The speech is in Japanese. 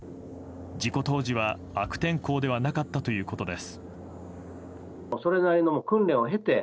事故当時は悪天候ではなかったということです。